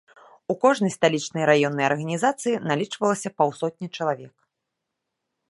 У кожнай сталічнай раённай арганізацыі налічвалася паўсотні чалавек.